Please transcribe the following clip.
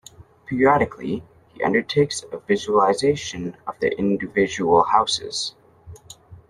Periodically he undertakes a Visitation of the individual Houses.